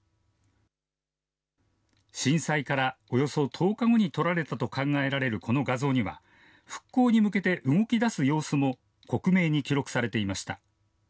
震災からおよそ１０日後に撮られたと考えられるこの画像には、復興に向けて動きだす様子も克明に記録されていました。